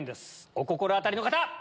お心当たりの方！